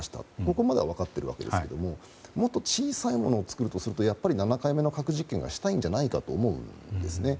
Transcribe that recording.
ここまでは分かっているわけですがもっと小さいものを作ろうとすると７回目の核実験をしたいんじゃないかと思います。